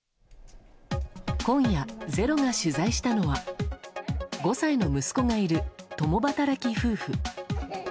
今夜「ｚｅｒｏ」が取材したのは５歳の息子がいる共働き夫婦。